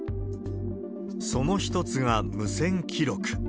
その一つが、無線記録。